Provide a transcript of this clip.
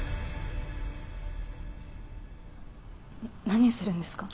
何をするんですか。